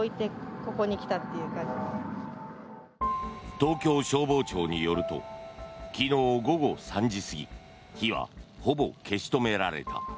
東京消防庁によると昨日午後３時過ぎ火はほぼ消し止められた。